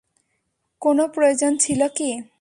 কোনো প্রয়োজন ছিলো কি?